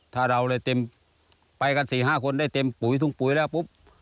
ถ้าเราเลยเต็มไปกัน๔๕คนได้เต็มปุ๋ยถุงปุ๋ยแล้วปุ๊บ